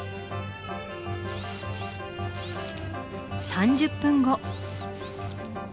３０分後。